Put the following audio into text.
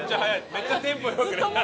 めっちゃテンポ良くね。